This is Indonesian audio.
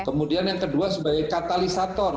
kemudian yang kedua sebagai katalisator